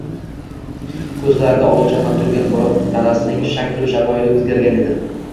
ko‘zlarida olov chaqnab turgan, biroq tanasining shaklu shamoyili o‘zgargan edi.